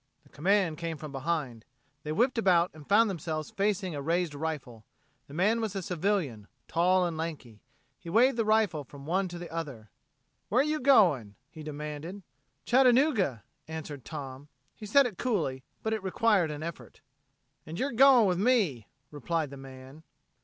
The command came from behind. They whipped about and found themselves facing a raised rifle. The man was a civilian, tall and lanky. He waved the rifle from one to the other. "Where're you going?" he demanded. "Chattanooga," answered Tom. He said it coolly but it required an effort. "And yer going with me," replied the man.